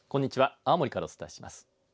青森からお伝えします。